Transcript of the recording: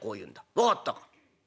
分かったか？」。